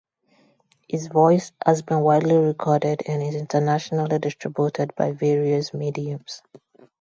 His voice has been widely recorded and is internationally distributed by various mediums.